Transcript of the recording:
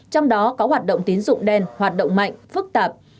trong đó có hoạt động tín dụng đen hoạt động mạnh phức tạp